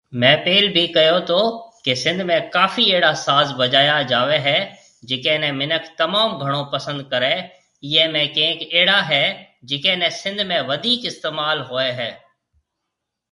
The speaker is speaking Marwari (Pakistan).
مينهه پيل بِي ڪهيو تو ڪي سنڌ ۾ ڪافي اهڙا ساز بجايا جاوي هي جڪي ني منک تموم گھڻو پسند ڪري ايئي ۾ ڪئينڪ اهڙا هي جڪي ني سنڌ ۾ وڌيڪ استعمال هوئي هي